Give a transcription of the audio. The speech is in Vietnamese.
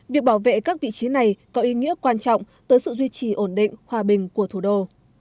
việc bảo vệ các vị trí này có ý nghĩa quan trọng tới sự duy trì ổn định hòa bình của thủ đô